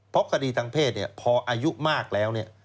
เพราะคดีทางเพศพออายุมากแล้ว